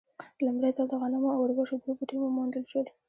لومړی ځل د غنمو او اوربشو دوه بوټي وموندل شول.